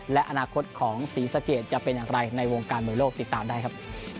และอนาคตของศรีสะเกดจะเป็นอย่างไรในวงการมวยโลกติดตามได้ครับ